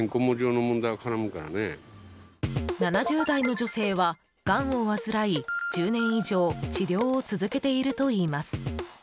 ７０代の女性は、がんを患い１０年以上治療を続けているといいます。